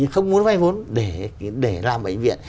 không muốn vay vốn để làm bệnh viện